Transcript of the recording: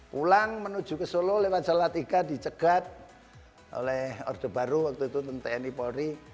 pulang menuju ke solo lewat jalatiga dicegat oleh orde baru waktu itu tni polri